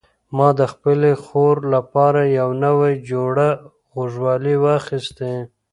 ما د خپلې خور لپاره یو نوی جوړه غوږوالۍ واخیستې.